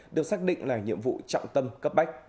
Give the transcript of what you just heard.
được xác định là nhiệm vụ trọng tâm cấp bách